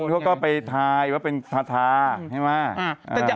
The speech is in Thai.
คือคนเขาก็ไปทาอย่างว่าเป็นทาทาใช่ไหม